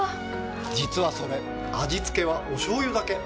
実はそれ、味付けはおしょうゆだけ。